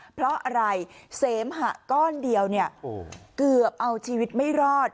เพราะอะไรเสมหะก้อนเดียวเนี่ยเกือบเอาชีวิตไม่รอด